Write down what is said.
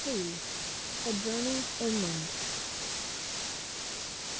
XLIII. A JOURNEY INLAND.